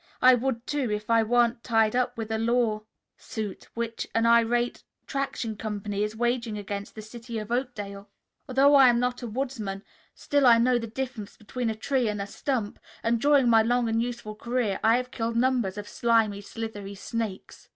"I would, too, if I weren't tied up with a law suit which an irate traction company is waging against the city of Oakdale. Although I am not a woodsman, still I know the difference between a tree and a stump, and during my long and useful career I have killed numbers of slimy, slithery snakes."